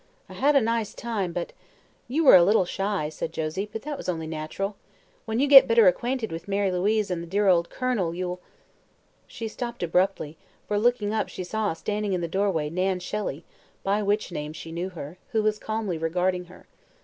"I had a nice time, but " "You were a little shy," said Josie, "but that was only natural. When you get better acquainted with Mary Louise and the dear old Colonel, you'll " She stopped abruptly, for looking up she saw standing in the doorway Nan Shelley by which name she knew her who was calmly regarding her.